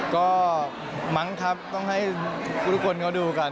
ก็มั้งครับต้องให้ทุกคนเขาดูกัน